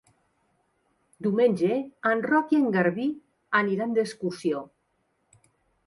Diumenge en Roc i en Garbí aniran d'excursió.